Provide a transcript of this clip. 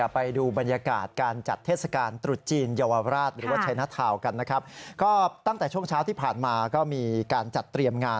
ไปดูบรรยากาศการจัดเทศกาลตรุษจีน